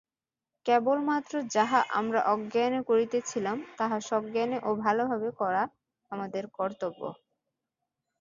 কেবলমাত্র যাহা আমরা অজ্ঞানে করিতেছিলাম, তাহা সজ্ঞানে ও ভালভাবে করা আমাদের কর্তব্য।